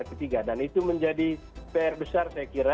kami juga bativany mencapsenakan ini dan saya kira dealing sorenya